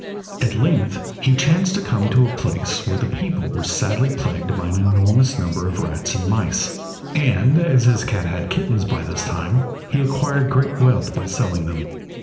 At length he chanced to come to a place where the people were sadly plagued by an enormous number of rats and mice, and as his cat had had kittens by this time, he acquired great wealth by selling them.